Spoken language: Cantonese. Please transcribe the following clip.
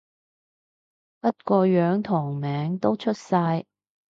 不過樣同名都出晒